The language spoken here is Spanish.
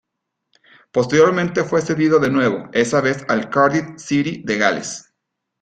Posteriormente fue cedido de nuevo, esa vez al Cardiff City de Gales.